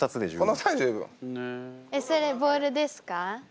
これボールです。